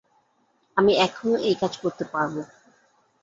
আমি এখনও এই কাজ করতে পারবো।